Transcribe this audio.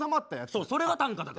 そうそれが短歌だから。